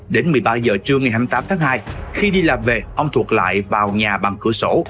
đến một mươi ba giờ trưa ngày hai mươi tám tháng hai khi đi làm về ông thuật lại vào nhà bằng cửa sổ